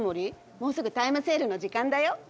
もうすぐタイムセールの時間だよ。